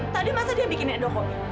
tadi masa dia bikinin edukopi